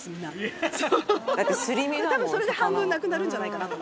多分それで半分なくなるんじゃないかなと。